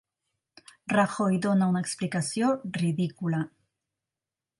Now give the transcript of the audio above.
Rajoy dóna una explicació ridícula